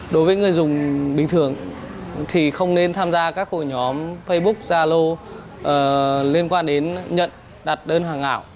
đối với người dùng bình thường thì không nên tham gia các hội nhóm facebook zalo liên quan đến nhận đặt đơn hàng ảo